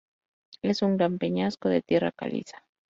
Es un gran peñasco de tierra caliza.